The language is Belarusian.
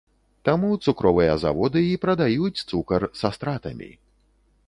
Таму цукровыя заводы і прадаюць цукар са стратамі.